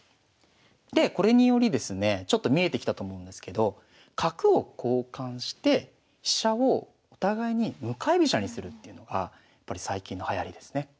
でこれによりですねちょっと見えてきたと思うんですけど角を交換して飛車をお互いに向かい飛車にするっていうのがやっぱり最近のはやりですね。